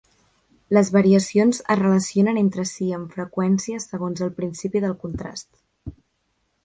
Les variacions es relacionen entre si amb freqüència segons el principi del contrast.